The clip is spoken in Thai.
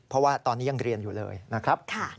เพราะว่าตอนนี้ยังเรียนอยู่เลยนะครับ